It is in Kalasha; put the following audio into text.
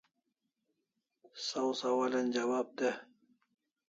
Saw sawalan jawab de